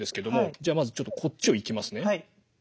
じゃあまずこっちをいきますね。